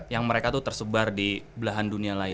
yang mereka tuh tersebar di belahan dunia lain